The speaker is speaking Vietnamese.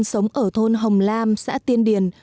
sống ở thôn hồng lam xã tiên điền